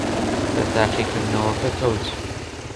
لە تاقیکردنەوەکە کەوت.